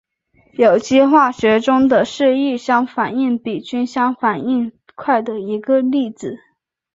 有机化学中的是异相反应比均相反应快的一个例子。